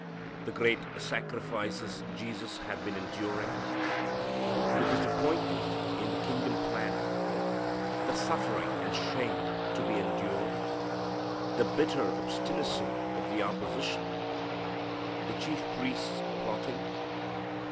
The great sacrifices Jesus had been enduring? The disappointment in the kingdom plan? The suffering and shame to be endured? The bitter obstinacy of the opposition? The chief priests' plotting?